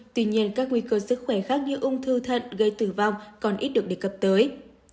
tuy nhiên các nguy cơ sức khỏe khác như ung thư thận gây tử vong còn ít được đề cập tới